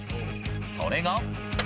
それが。